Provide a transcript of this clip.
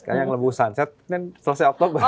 karena yang lebih sunset selesai oktober